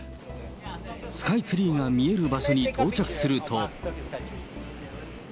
スカイツリーが見える場所に到着すると。